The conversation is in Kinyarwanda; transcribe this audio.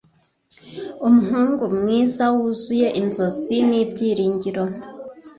Umuhungu mwiza wuzuye inzozi nibyiringiro